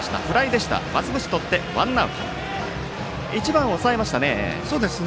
１番抑えましたね。